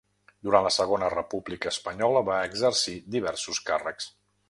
Durant la Segona República Espanyola va exercir diversos càrrecs.